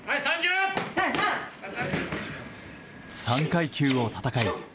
３階級を戦い